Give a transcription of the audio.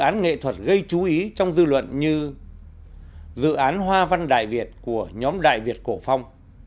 các án nghệ thuật gây chú ý trong dư luận như dự án hoa văn đại việt của nhóm đại việt cổ phong